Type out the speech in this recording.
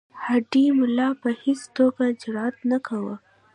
هډې ملا په هیڅ توګه جرأت نه کاوه.